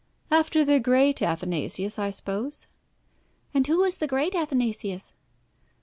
"After the great Athanasius, I suppose." "And who was the great Athanasius?"